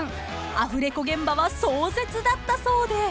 ［アフレコ現場は壮絶だったそうで］